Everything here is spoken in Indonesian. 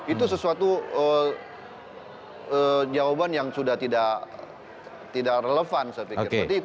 itu sesuatu jawaban yang sudah tidak relevan saya pikir